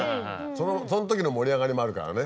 そのときの盛り上がりもあるからね。